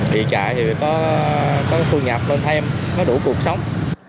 thì chạy thì có phương nhập lên thêm có đủ cuộc sống